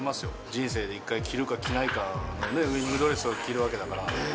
人生で１回着るか着ないかのウエディングドレスを着るわけだから。